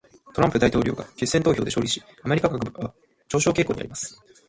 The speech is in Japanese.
トランプ大統領が決選投票で勝利し、アメリカ株は上昇傾向にあります。